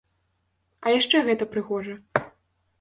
А яшчэ гэта прыгожа.